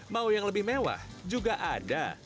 mau yang lebih mewah juga ada